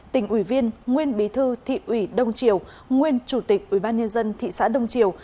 tỉnh ủy viên nguyên bí thư thị ủy đông triều nguyên chủ tịch ubnd thị xã đông triều